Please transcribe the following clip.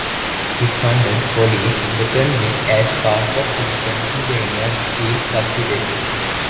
It funded Holley's second mill as part of its Pennsylvania Steel subsidiary.